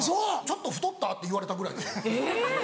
「ちょっと太った？」って言われたぐらいです。